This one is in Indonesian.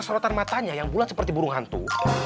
sorotan matanya yang bulat seperti burung hantu